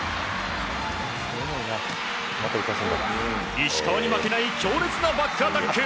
石川に負けない強烈なバックアタック！